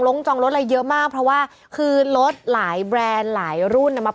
จองรถอะไรเยอะมากเพราะว่าคือรถหลายแบรนด์หลายรุ่นอ่ะมา